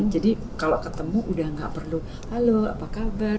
jadi kalau ketemu udah nggak perlu halo apa kabar